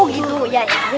biar tempatnya rame